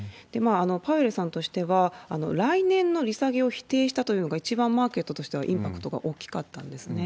パウエルさんとしては、来年の利下げを否定したというのが、一番マーケットとしてはインパクトが大きかったんですね。